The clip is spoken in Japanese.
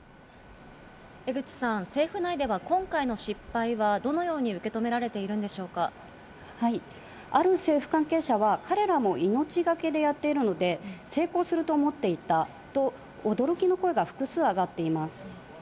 江口さん、政府内では今回の失敗はどのように受け止められているんでしょうある政府関係者は、彼らも命懸けでやっているので、成功すると思っていたと、驚きの声が複数上がっています。